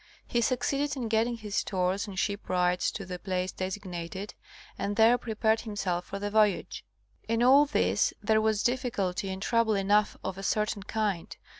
He succeeded in getting his stores and shipwrights to the place designated and there prepared himself for the voyage. In all this there was difficulty and trouble enough of a certain kind.